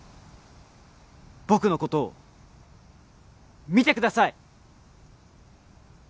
僕のことを見てください！